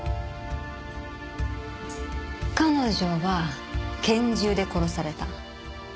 彼女は拳銃で殺された。